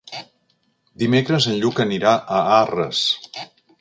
Dimecres en Lluc anirà a Arres.